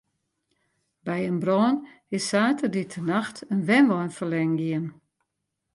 By in brân is saterdeitenacht in wenwein ferlern gien.